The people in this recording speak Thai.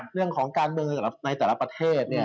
เรื่องของการเมืองในแต่ละประเทศ